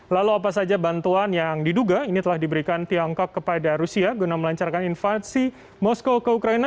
lalu apa saja bantuan yang diduga ini telah diberikan tiongkok kepada rusia guna melancarkan invasi moskow ke ukraina